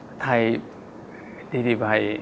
มคได้ไทยที่ที่ไป